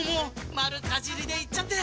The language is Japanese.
丸かじりでいっちゃって！